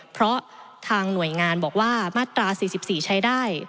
เพราะทางหน่วยงานบอกว่ามาตรา๔๔ใช้ได้